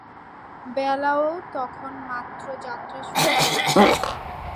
বেলা-ও তখন মাত্র যাত্রা শুরু করেছে।